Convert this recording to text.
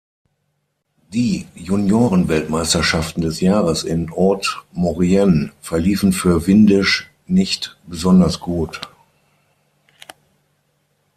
Die Juniorenweltmeisterschaften des Jahres in Haute-Maurienne verliefen für Windisch nicht besonders gut.